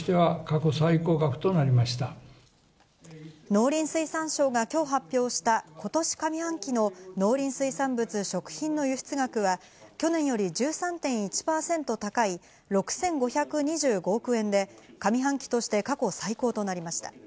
農林水産省が今日発表した今年上半期の農林水産物・食品の輸出額が、去年より１３．１％高い６５２５億円で上半期として過去最高となりました。